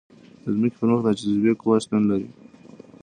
د ځمکې پر مخ د جاذبې قوه شتون لري.